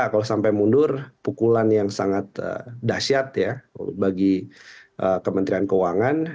kalau sampai mundur pukulan yang sangat dahsyat ya bagi kementerian keuangan